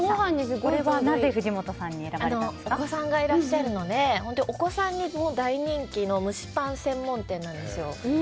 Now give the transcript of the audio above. なぜ、藤本さんにお子さんがいらっしゃるのでお子さんにも大人気の蒸しパン専門店なんです。